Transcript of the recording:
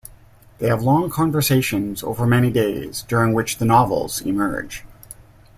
They have long conversations over many days, during which the novels emerge.